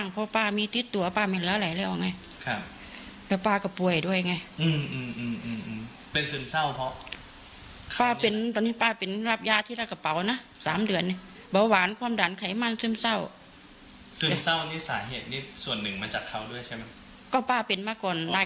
ก็ปรากฎมาก่อนกับเค้าแล้วมันก็แยะลงแยะเรื่องของมันเจอสภาพแบบนี้